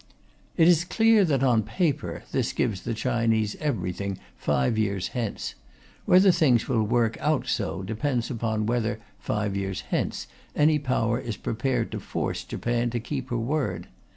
It is clear that, on paper, this gives the Chinese everything five years hence. Whether things will work out so depends upon whether, five years hence, any Power is prepared to force Japan to keep her word.